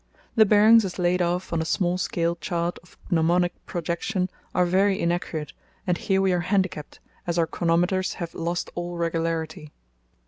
The bearings as laid off on a small scale chart of gnomonic projection are very inaccurate, and here we are handicapped, as our chronometers have lost all regularity.